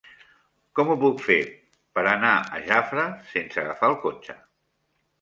Com ho puc fer per anar a Jafre sense agafar el cotxe?